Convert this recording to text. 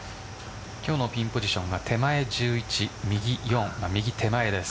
今日のピンポジションが手前１１右、４右手前です。